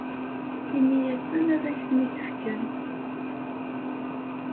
Ini-asen ad ak-ten-id-fken.